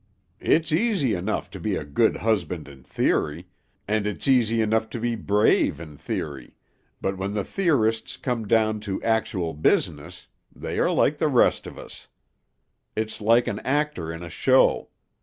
It's easy enough to be a good husband in theory, and it's easy enough to be brave in theory, but when the theorists come down to actual business, they are like the rest of us. It's like an actor in a show.